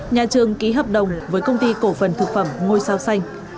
nhà trường ký hợp đồng với công ty cổ phần thực phẩm ngôi sao xanh